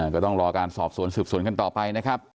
ก็ต้องรอการสอบสวนสืบสวนกันต่อไปนะครับ